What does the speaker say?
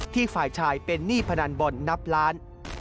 ฝ่ายชายเป็นหนี้พนันบอลนับล้าน